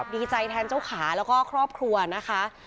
ดีใจแทนเจ้าขาแล้วก็ครอบครัวนะคะ